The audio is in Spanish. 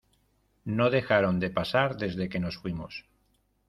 no dejaron de pasar desde que nos fuimos.